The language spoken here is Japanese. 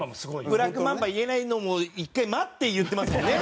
「ブラックマンバ」言えないのも１回待って言ってますもんね。